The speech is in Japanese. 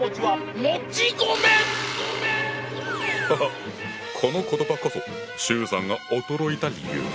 ハハッこの言葉こそ周さんが驚いた理由。